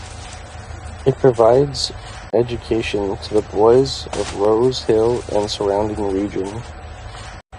It provides education to the boys of Rose Hill and surrounding region.